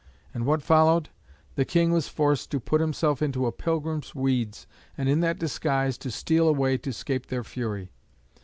And what followed? The King was forced to put himself into a pilgrim's weeds, and in that disguise to steal away to scape their fury.